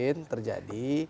tapi kalau tidak terjadi